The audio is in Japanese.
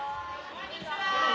こんにちは。